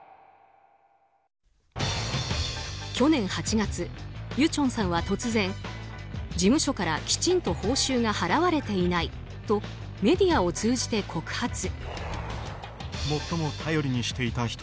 去年８月、ユチョンさんは突然事務所からきちんと報酬が払われていないとメディアを通じて告発。